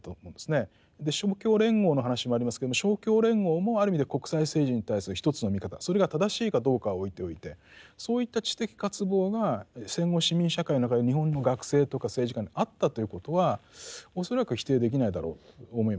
勝共連合の話もありますけども勝共連合もある意味では国際政治に対する一つの見方それが正しいかどうかは置いておいてそういった知的渇望が戦後市民社会の中で日本の学生とか政治家にあったということは恐らく否定できないだろうと思います。